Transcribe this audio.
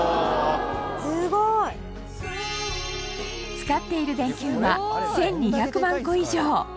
使っている電球は１２００万個以上。